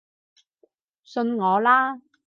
信我啦